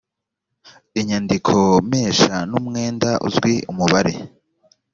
inyandikompesha n umwenda uzwi umubare